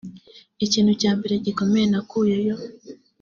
Ikintu cya mbere gikomeye nakuyeyo